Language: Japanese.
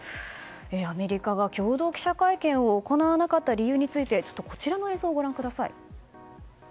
アメリカが共同記者会見を行わなかった理由についてこちらの映像をご覧ください。